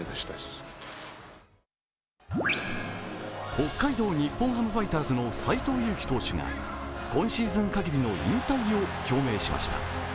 北海道日本ハムファイターズの斎藤佑樹投手が今シーズン限りの引退を表明しました。